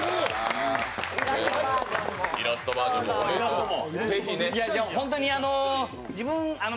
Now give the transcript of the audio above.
イラストバージョンも。